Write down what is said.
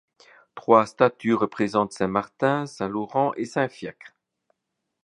Trois statues représentent saint Martin, saint Laurent et saint Fiacre.